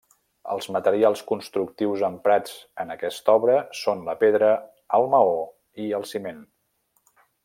Els materials constructius emprats en aquesta obra són la pedra, el maó i el ciment.